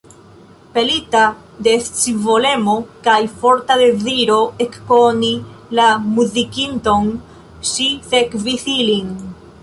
Pelita de scivolemo kaj forta deziro ekkoni la muzikinton, ŝi sekvis ilin.